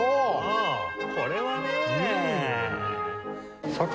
これはね。